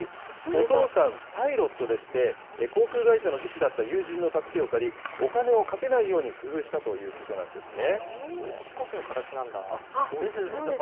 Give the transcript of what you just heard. お父さん、パイロットでして、航空会社の技師だった友人の助けを借り、お金をかけないように工夫したということなんですね。